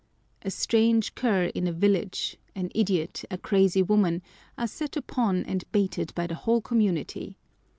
A strange cur in a village, an idiot, a crazy woman, are set upon and baited by the whole community.